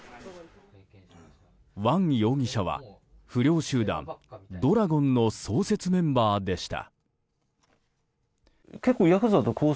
ワン容疑者は、不良集団怒羅権の創設メンバーでした。